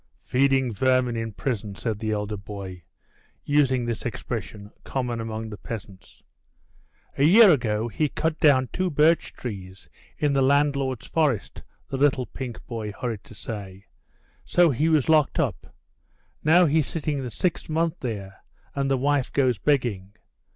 "Feeding vermin in prison," said the elder boy, using this expression, common among the peasants. "A year ago he cut down two birch trees in the land lord's forest," the little pink boy hurried to say, "so he was locked up; now he's sitting the sixth month there, and the wife goes begging.